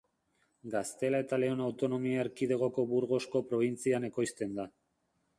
Gaztela eta Leon autonomia erkidegoko Burgosko probintzian ekoizten da.